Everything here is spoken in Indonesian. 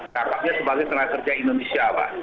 dapatnya sebagai tenaga kerja indonesia pak